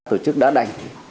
tổ chức đã đành